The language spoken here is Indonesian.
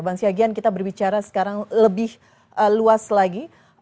bang syagian kita berbicara sekarang lebih luas lagi